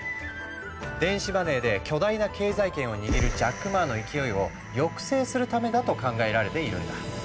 電子マネーで巨大な経済圏を握るジャック・マーの勢いを抑制するためだと考えられているんだ。